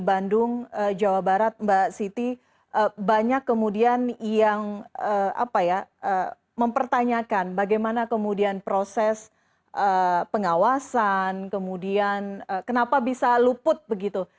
bandung jawa barat mbak siti banyak kemudian yang mempertanyakan bagaimana kemudian proses pengawasan kemudian kenapa bisa luput begitu